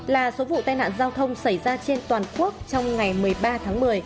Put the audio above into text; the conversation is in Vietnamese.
bốn mươi chín là số vụ tai nạn giao thông xảy ra trên toàn quốc trong ngày một mươi ba tháng một mươi